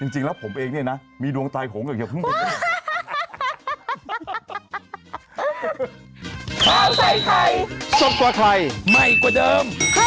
จริงแล้วผมเองเนี่ยนะมีดวงใจโหงอย่างเงียบพรุ่งก็ได้